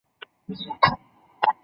是一名马戏团特技人员。